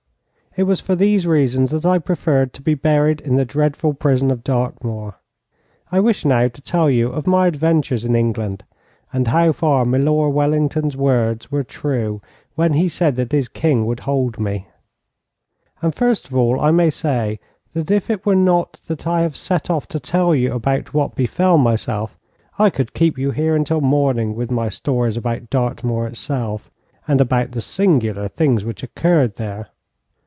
It was for these reasons that I preferred to be buried in the dreadful prison of Dartmoor. I wish now to tell you of my adventures in England, and how far Milor Wellington's words were true when he said that his King would hold me. And first of all I may say that if it were not that I have set off to tell you about what befell myself, I could keep you here until morning with my stories about Dartmoor itself, and about the singular things which occurred there.